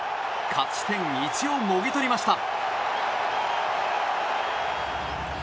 勝ち点１をもぎ取りました。